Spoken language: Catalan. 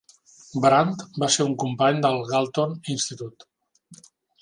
Brand va ser un company del Galton Institute.